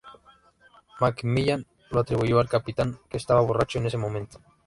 MacMillan lo atribuyó al capitán, que estaba borracho en ese momento.